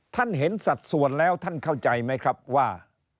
ท่านเห็นสัดส่วนแล้วท่านเข้าใจไหมครับว่า